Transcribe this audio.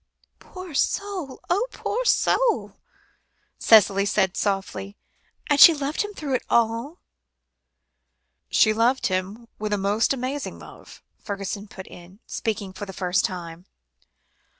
"Poor soul! oh, poor soul!" Cicely said softly. "And she loved him through it all?" "She loved him with a most amazing love," Fergusson put in, speaking for the first time.